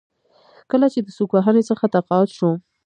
کله چې د سوک وهنې څخه تقاعد شوم.